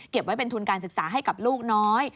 ไว้เป็นทุนการศึกษาให้กับลูกน้อย